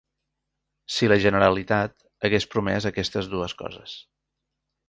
Si la Generalitat hagués promès aquestes dues coses